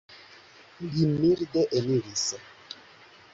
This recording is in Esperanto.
Li milde eniris.